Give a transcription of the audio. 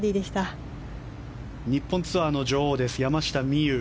日本ツアーの女王山下美夢有。